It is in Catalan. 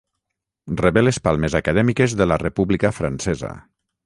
Rebé les Palmes acadèmiques de la República Francesa.